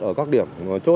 ở các điểm